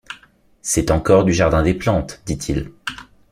C’est encore du Jardin des plantes, dit-il.